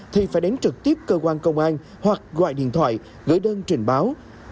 thì phải đến trực tiếp cơ quan công an hoặc gọi điện thoại gửi đơn trình báo